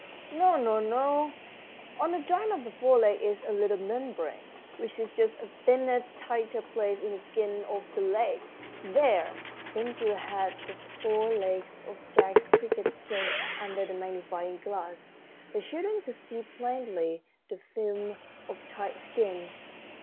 "No, no, on the joint of the fore leg is a little membrane, which is just a thinner, tighter place in the skin of the leg. There!" Ben Gile had the fore leg of Jack's cricket stretched under the magnifying glass. The children could see plainly the film of tight skin.